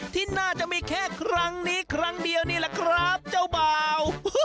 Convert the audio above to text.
ที่น่าจะมีแค่ครั้งนี้ครั้งเดียวนี่แหละครับเจ้าบ่าว